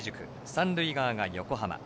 三塁側が横浜。